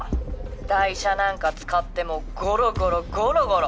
台車なんか使ってもうゴロゴロゴロゴロ。